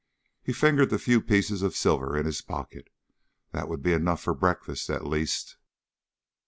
He fingered the few pieces of silver in his pocket. That would be enough for breakfast, at least.